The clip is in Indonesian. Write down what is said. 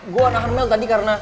gue nahan mel tadi karena